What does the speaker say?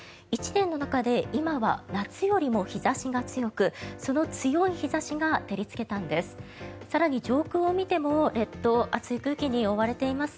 １年の中で今は夏よりも日差しが強くその強い日差しが照りつけたんです。